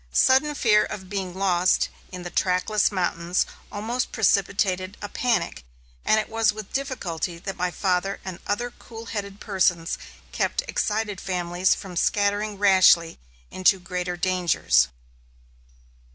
Sudden fear of being lost in the trackless mountains almost precipitated a panic, and it was with difficulty that my father and other cool headed persons kept excited families from scattering rashly into greater dangers.